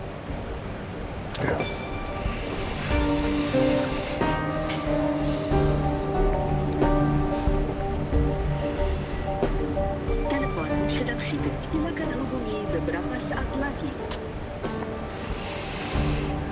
sampai jumpa di video selanjutnya